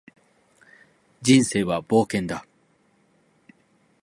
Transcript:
人生は冒険だ